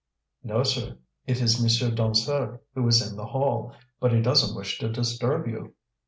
"No, sir. It is Monsieur Dansaert, who is in the hall. But he doesn't wish to disturb you."